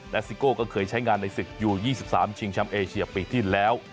และซิโก้ก็เคยใช้งานในศึกยู๒๓ชิงแชมป์เอเชียปีที่แล้ว